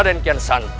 dan yang satu